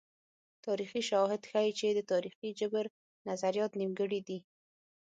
تاریخي شواهد ښيي چې د تاریخي جبر نظریات نیمګړي دي.